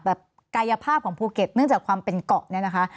แต่กายภาพของภูเก็ตเนื่องจากความเป็นเกาะ